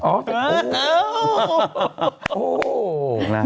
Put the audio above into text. โอ้โห